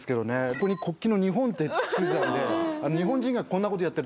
ここに国旗の日本って付いてたんで。